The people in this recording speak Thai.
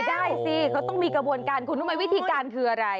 ได้สิเขาต้องมีกระบวนการคุณรู้ไหมวิธีการคืออะไร